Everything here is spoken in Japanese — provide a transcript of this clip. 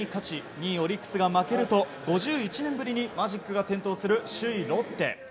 ２位オリックスが負けると５１年ぶりにマジックが点灯する首位ロッテ。